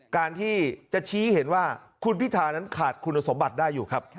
การที่จะชี้เห็นว่าคุณพิธานั้นขาดคุณสมบัติได้อยู่ครับ